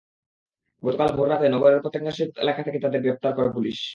গতকাল ভোররাতে নগরের পতেঙ্গা সৈকত এলাকা থেকে তাঁদের গ্রেপ্তার করে পুলিশ।